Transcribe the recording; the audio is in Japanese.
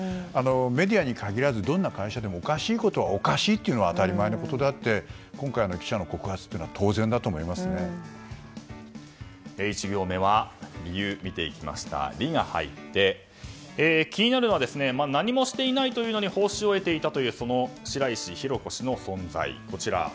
メディアに限らずどんな会社でもおかしいことはおかしいと言うのが当たり前なことであって今回の記者の告発は１行目は「リ」が入って気になるのは何もしていないのに報酬を得ていたというその白石浩子氏の存在。